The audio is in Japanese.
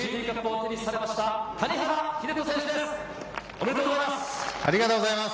おめでとうございます！